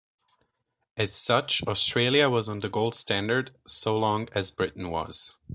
As such Australia was on the gold standard so long as Britain was.